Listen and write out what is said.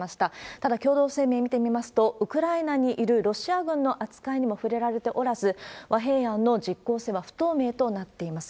ただ、共同声明見てみますと、ウクライナにいるロシア軍の扱いにも触れられておらず、和平案の実効性は不透明となっています。